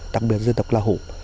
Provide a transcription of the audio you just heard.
đặc biệt dân tộc la hủ